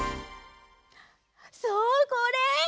そうこれ。